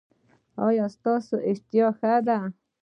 ایا ستاسو اشتها ښه ده؟